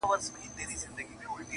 اوس نو وکئ قضاوت ګنا دچا ده،